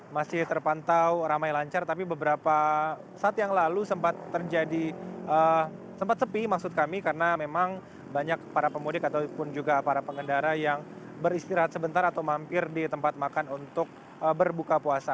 masih terpantau ramai lancar tapi beberapa saat yang lalu sempat terjadi sempat sepi maksud kami karena memang banyak para pemudik ataupun juga para pengendara yang beristirahat sebentar atau mampir di tempat makan untuk berbuka puasa